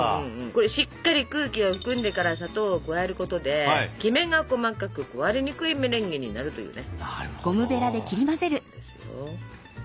これしっかり空気を含んでから砂糖を加えることでキメが細かく壊れにくいメレンゲになるというね。